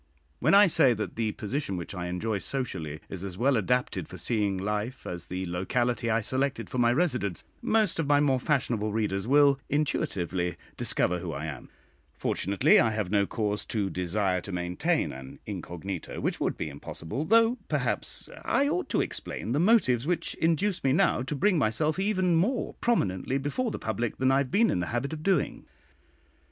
When I say that the position which I enjoy socially, is as well adapted for seeing life as the locality I selected for my residence, most of my more fashionable readers will intuitively discover who I am; fortunately, I have no cause to desire to maintain an incognito which would be impossible, though, perhaps, I ought to explain the motives which induce me now to bring myself even more prominently before the public than I have been in the habit of doing.